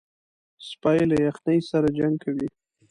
سپي له یخنۍ سره جنګ کوي.